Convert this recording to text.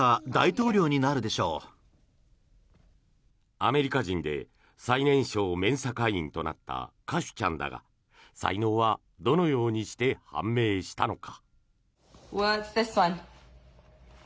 アメリカ人で最年少メンサ会員となったカシュちゃんだが才能はどのようにして判明したのか。